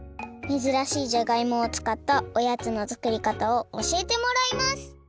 めずらしいじゃがいもを使ったおやつの作りかたをおしえてもらいます！